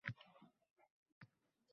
Лек улғаяр айтилмаган СЎЗ